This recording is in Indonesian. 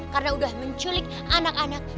karena udah menculik anak anak tersebut